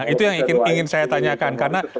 nah itu yang ingin saya tanyakan